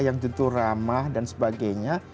yang tentu ramah dan sebagainya